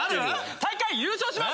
大会優勝します！